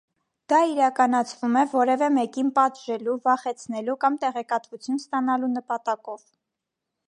Դա իրականացվում է որևէ մեկին պատժելու, վախեցնելու կամ տեղեկատվություն ստանալու նպատակով։